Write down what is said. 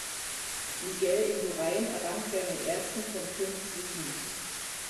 Miguel Indurain errang seinen ersten von fünf Siegen.